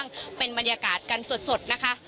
คุณค่ะคุณค่ะ